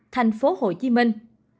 năm mươi tám thành phố hồ chí minh